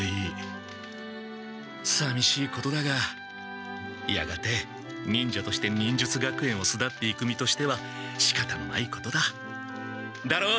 さみしいことだがやがて忍者として忍術学園をすだっていく身としてはしかたのないことだ。だろう？